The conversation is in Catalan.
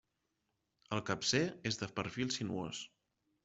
El capcer és de perfil sinuós.